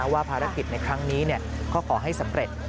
ว่าภารกิจในครั้งนี้ก็ขอให้สำเร็จ